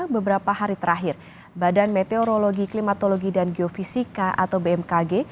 beberapa hari terakhir badan meteorologi klimatologi dan geofisika atau bmkg